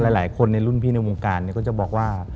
หลายคนในรุ่นพี่ในวงการก็จะบอกว่า